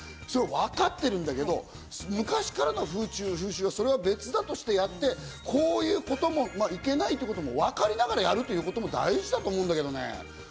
それはわかってるんだけど、昔からの風習は別としてやって、こういうこともいけないということもわかりながらやることも大事だと思うんだけどね。